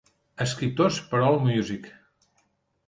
Escriptors per Allmusic.